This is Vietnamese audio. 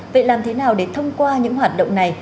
vậy làm thế nào để thông qua những hoạt động này